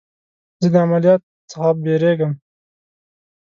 زه د عملیات څخه بیریږم.